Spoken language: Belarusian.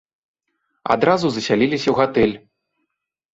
Адразу засяліліся ў гатэль.